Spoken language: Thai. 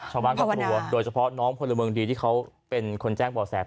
ชาวบ้านก็กลัวโดยเฉพาะน้องพลเมืองดีที่เขาเป็นคนแจ้งบ่อแสบ